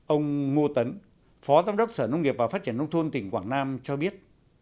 ông ngô tấn phó giám đốc sở nông nghiệp và phát triển nông thôn tỉnh quảng nam cho biết